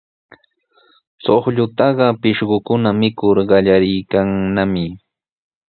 Chuqllataqa pishqukuna mikur qallariykannami.